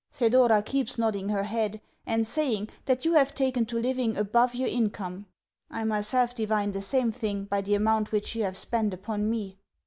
Thedora keeps nodding her head, and saying that you have taken to living above your income. I myself divine the same thing by the amount which you have spent upon me.